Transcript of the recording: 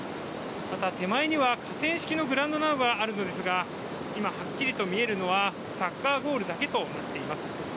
また、手前には河川敷のグラウンドなどがあるのですが、今、はっきりと見えるのはサッカーゴールだけとなっています。